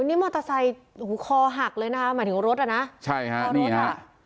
นี่มอเตอร์ไซค์หูคอหักเลยนะหมายถึงรถอ่ะนะใช่ฮะนี่ฮะ